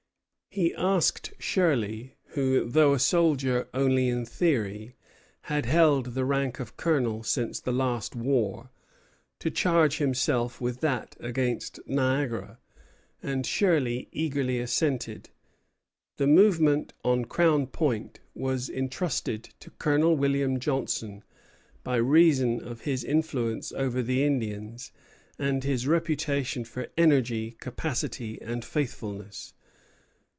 He asked Shirley, who, though a soldier only in theory, had held the rank of colonel since the last war, to charge himself with that against Niagara; and Shirley eagerly assented. The movement on Crown Point was intrusted to Colonel William Johnson, by reason of his influence over the Indians and his reputation for energy, capacity, and faithfulness.